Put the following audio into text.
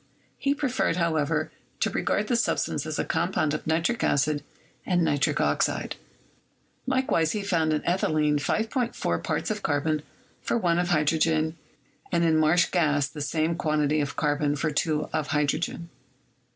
He preferred, however, to regard this substance as a compound of nitric acid and nitric oxide. Likewise, he found in ethylene 5.4 parts of carbon for 1 of hydrogen, and in marsh gas the same quantity of carbon for 2 of hydrogen.